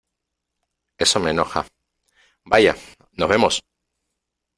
eso me enoja ...¡ vaya , nos vemos !...